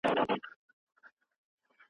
په اوبو کې د بایسکل چلول د رګونو بندېدنه کموي.